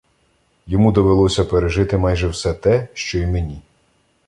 йому довелося пережити майже все те, що й мені.